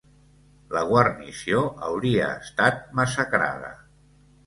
La guarnició hauria estat massacrada.